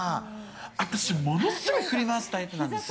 私、ものすごく振り回すタイプなんです。